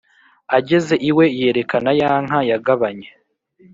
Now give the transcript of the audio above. ageze iwe, yerekana ya nka yagabanye,